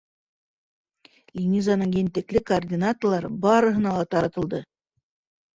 Линизаның ентекле координаталары барыһына ла таратылды.